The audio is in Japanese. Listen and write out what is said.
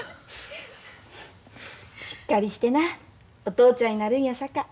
しっかりしてなお父ちゃんになるんやさか。